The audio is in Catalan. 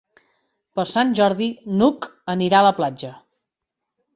Per Sant Jordi n'Hug anirà a la platja.